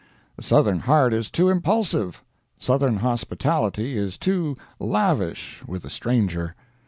The Southern heart is too impulsive; Southern hospitality is too lavish with the stranger.